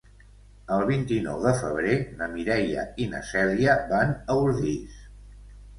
El vint-i-nou de febrer na Mireia i na Cèlia van a Ordis.